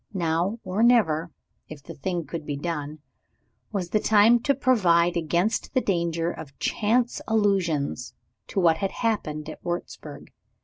Now or never (if the thing could be done) was the time to provide against the danger of chance allusions to what had happened at Wurzburg.